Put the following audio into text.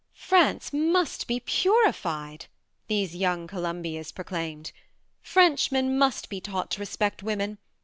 " France must be purified," these young Columbias proclaim ed. '' French men must be taught to respect Women.